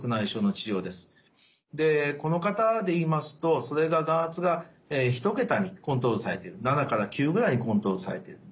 でこの方で言いますとそれが眼圧が１桁にコントロールされている７から９ぐらいにコントロールされている。